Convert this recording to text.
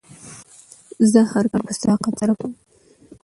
زه هر کار په صداقت سره کوم.